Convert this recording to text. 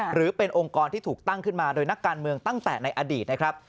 หรือเป็นองค์กรที่ถูกตั้งขึ้นมาโดยนักการเมืองตั้งแต่ในอดีตนะครับ